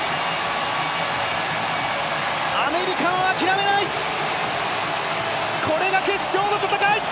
アメリカは諦めない、これが決勝の戦い。